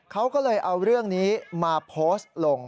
เขาก็เลยเอาเรื่องนี้มาโพสต์ลง